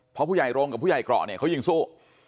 เพราะผู้ใหญ่โรงกับผู้ใหญ่เกราะเนี่ยเขายิงสู้